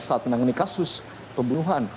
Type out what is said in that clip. saat menangani kasus pembunuhan